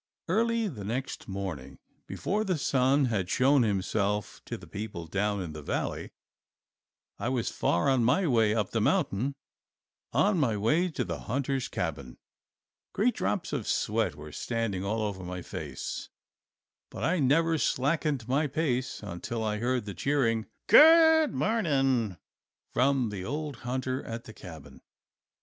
Early the next morning, before the sun had shown himself to the people down in the valley, I was far on my way up the mountain on my way to the hunter's cabin. Great drops of sweat were standing all over my face, but I never slackened my pace until I heard the cheering "Good morning" from the old hunter at the cabin.